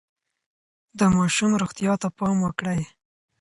د ماشومانو روغتیا ته پام وکړئ.